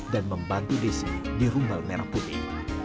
dan membantu desi di rumel merah putih